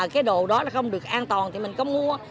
cái đồ đó là không được an toàn thì mình có mua